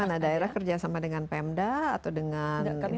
mana daerah kerjasama dengan pemda atau dengan institusi lain